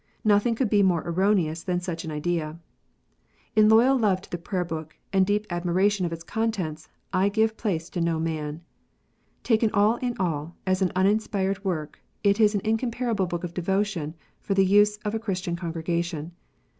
Nothing could be more erroneous than such an idea. In loyal love to the Prayer book, and deep admiration of its contents, I give place to no man. Taken for all in all, as an uninspired work, it is an incomparable book of devotion for the use of a Christian congregation.